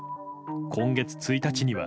今月１日には。